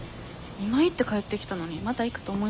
今行って帰ってきたのにまた行くと思います？